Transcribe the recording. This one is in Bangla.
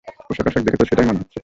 পোশাক-আশাক দেখে তো সেটাই মনে হচ্ছে।